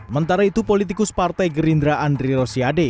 mentara itu politikus partai gerindra andri rosiade